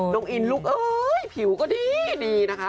นุ่มอินลูกผิวก็ดีนะคะ